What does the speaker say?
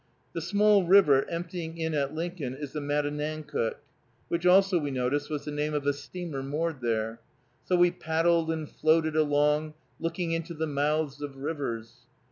The small river emptying in at Lincoln is the Matanancook, which also, we noticed, was the name of a steamer moored there. So we paddled and floated along, looking into the mouths of rivers.